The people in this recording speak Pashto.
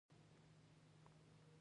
ایا زه باید کیله وخورم؟